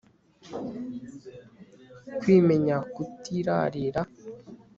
kwimenyakutirarira